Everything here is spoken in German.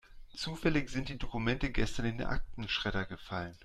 Zufällig sind die Dokumente gestern in den Aktenschredder gefallen.